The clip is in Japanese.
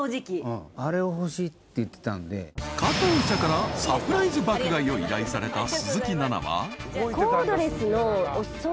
［加藤茶からサプライズ爆買いを依頼された鈴木奈々は］